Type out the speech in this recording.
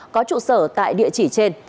có trụ sở tại địa chỉ trên